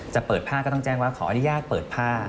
เปิดผ้าก็ต้องแจ้งว่าขออนุญาตเปิดผ้า